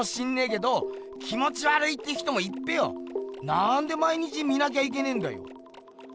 なんで毎日見なきゃいけねんだよ？